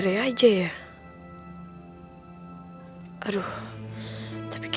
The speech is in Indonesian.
ah aku mau nyantai